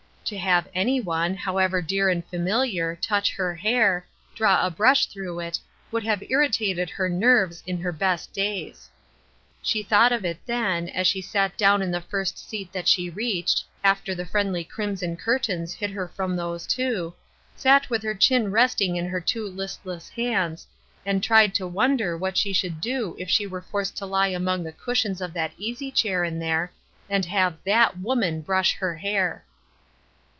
To have any one, however dear and familiar, touch her hair, draw a brush through it, would have irritated her nerves in her best days. She thought of it then, as she sat down in the first seat that she reached, after Rests. 287 tho friendly crimson curtains hid her from those two — sat with her chin resting in her two list less hands, and tried to wonder what she should do if she were forced to lie among the cushions of that easy chair in there, and have that woman brush her hair.